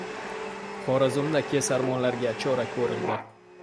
Xorazmda “kesarmon”larga chora ko‘rildi